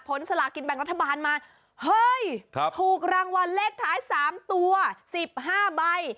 สลากินแบ่งรัฐบาลมาเฮ้ยถูกรางวัลเลขท้าย๓ตัว๑๕ใบ